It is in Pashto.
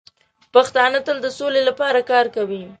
پښتانه تل د سولې لپاره کار کوي.